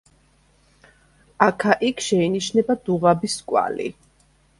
აქა-იქ შეინიშნება დუღაბის კვალი.